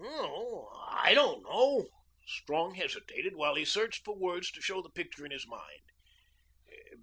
"Oh, I don't know." Strong hesitated, while he searched for words to show the picture in his mind.